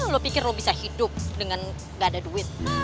lo pikir lo bisa hidup dengan gak ada duit